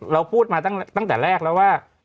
เราพูดมาตั้งแต่แรกแล้วว่า